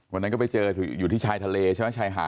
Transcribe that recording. วันนั้นก็ไปเจออยู่ที่ชายทะเลใช่ไหมชายหาด